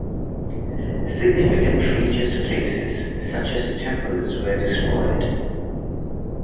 Significant religious places such as temples were destroyed.